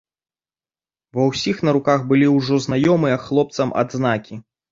Ва ўсіх на руках былі ўжо знаёмыя хлопцам адзнакі.